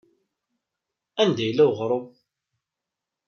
Anda yella weɣṛum?